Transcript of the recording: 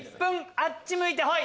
あっち向いてホイ。